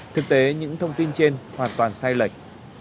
thực tế những thông tin trên hoàn toàn sai lệch